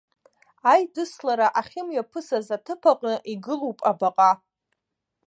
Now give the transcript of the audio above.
Аидыслара ахьымҩаԥысыз аҭыԥ аҟны игылоуп абаҟа.